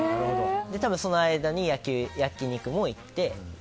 多分、その間に焼き肉にも行って。